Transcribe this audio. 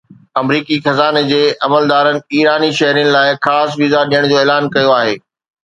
آمريڪي خزاني جي عملدارن ايراني شهرين لاءِ خاص ويزا ڏيڻ جو اعلان ڪيو آهي